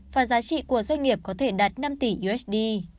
và giá trị của doanh nghiệp có thể đạt năm tỷ usd